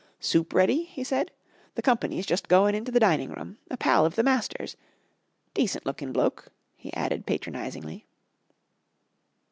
"Soup ready?" he said. "The company's just goin' into the dining room a pal of the master's. Decent lookin' bloke," he added patronisingly.